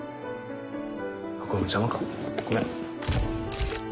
これも邪魔かごめん。